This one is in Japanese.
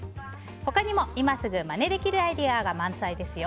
他にも今すぐまねできるアイデアが満載ですよ。